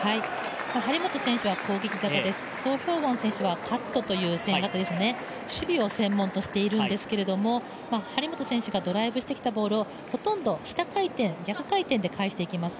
張本選手は攻撃型です、ソ・ヒョウォン選手はカットという戦型ですね、守備を専門としているんですけど張本選手がドライブしてきたボールをほとんど下回転、逆回転で返していきます。